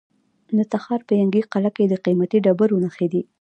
د تخار په ینګي قلعه کې د قیمتي ډبرو نښې دي.